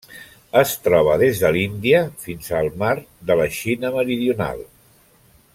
Es troba des de l'Índia fins a Mar de la Xina Meridional.